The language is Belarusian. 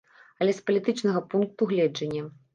Але з палітычнага пункту гледжання.